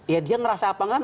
ya dia ngerasa apa kan